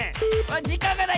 じかんがない！